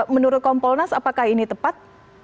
menurut kompolnas apakah ini tepat